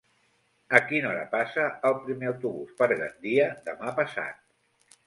A quina hora passa el primer autobús per Gandia demà passat?